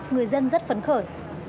người dân rất phấn khởi